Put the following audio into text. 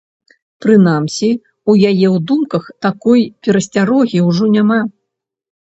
Прынамсі, у яе ў думках такой перасцярогі ўжо няма.